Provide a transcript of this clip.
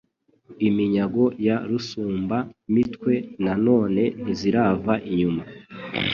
Iminyago ya Rusumba-mitwe, Na none ntizirava inyuma